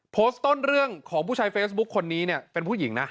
โพสต้นเรื่องของผู้ชายเฟซบุ๊คคนนี้เป็นผู้หญิงนะ